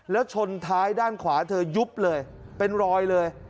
แล้วชนท้ายด้านขวาเธอยุบเลยเป็นรอยเลย